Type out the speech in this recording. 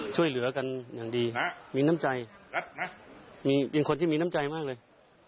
ช่วยเหลือกันอย่างดีมีน้ำใจเป็นคนที่มีน้ำใจมากเลย